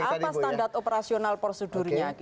apa standar operasional prosedurnya